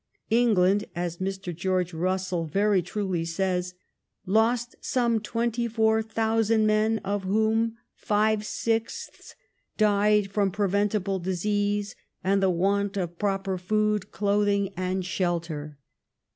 England, as Mr. George Russell very truly says, "lost some twenty four thousand men, of whom five sixths died from pre ventable disease and the want of proper food, clothing, and shelter."